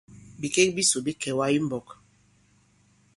Bikek bisò bi kɛ̀wà i mbɔk.